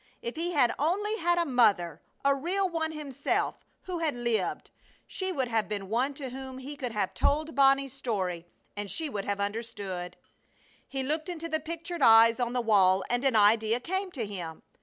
If he had only had a mother, a real one, himself, who had lived, she would have been one to whom he could have told Bonnie's story, and she would have understood! He looked into the pictured eyes on the wall and an idea came to him.